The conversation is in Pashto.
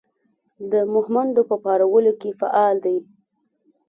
د مهمندو په پارولو کې فعال دی.